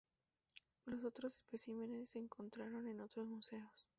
Los otros especímenes se encontraron en otros museos.